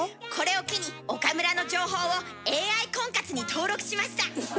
これを機に岡村の情報をＡＩ婚活に登録しました。